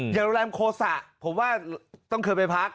อย่างโรงแรมโคสะผมว่าต้องเคยไปพัก